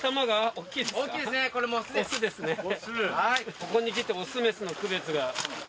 ここにきてオスメスの区別が。